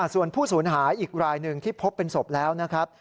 ส่วนผู้สูญหายอีกรายหนึ่งที่พบเป็นศพแล้วนะครับ